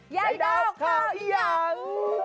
ยายดาวเข้ายัง